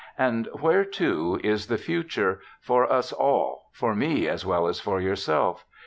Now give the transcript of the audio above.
And where, too, is the future— for us all — for me, as well as for yourself?